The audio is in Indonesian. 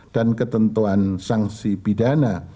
dan ketentuan sanksi pidana